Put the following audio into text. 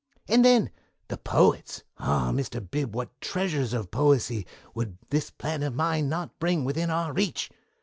"And then the poets ah, Mr. Bib, what treasures of poesy would this plan of mine not bring within our reach!